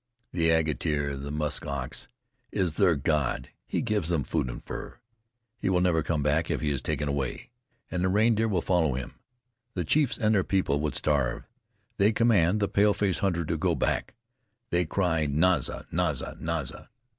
The Ageter, the Musk ox, is their god. He gives them food and fur. He will never come back if he is taken away, and the reindeer will follow him. The chiefs and their people would starve. They command the pale face hunter to go back. They cry Naza! Naza! Naza!"